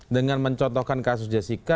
dengan mencontohkan kasus jessica